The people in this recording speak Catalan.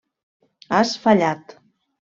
Has fallat.